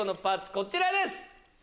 こちらです。